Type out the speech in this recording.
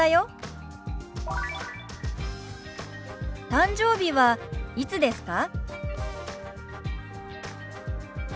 誕生日はいつですか？